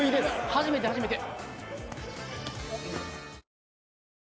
初めて初めて。